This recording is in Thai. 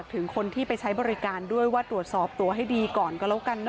ถึงคนที่ไปใช้บริการด้วยว่าตรวจสอบตัวให้ดีก่อนก็แล้วกันเน